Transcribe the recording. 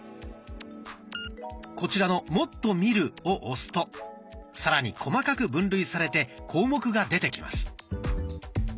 こちらの「もっと見る」を押すとさらに細かく分類されて項目が出てきます。